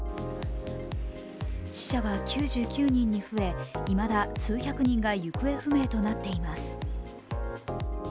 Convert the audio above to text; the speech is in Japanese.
死者は９９人に増え、いまだ数百人が行方不明となっています。